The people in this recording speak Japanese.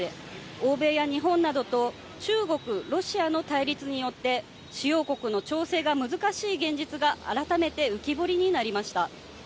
欧米や日本などと中国、ロシアの対立によって主要国の調整が難しい現実が改めて浮き彫りになりました。